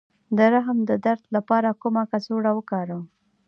د رحم د درد لپاره کومه کڅوړه وکاروم؟